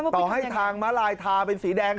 ต่อให้ทางม้าลายทาเป็นสีแดง